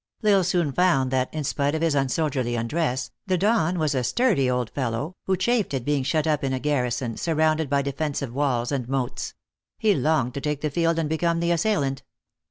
L Isle soon found that, in spite of his unsoldierly undress, the Don was a sturdy old fellow, who chafed at being shut up in a garrison, surrounded by defen sive walls and moats. He longed to take the field and become the assailant.